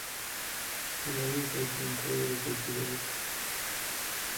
Laurie apareció en todos los episodios.